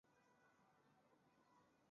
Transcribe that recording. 它可用于帮助从矿石中分离钼。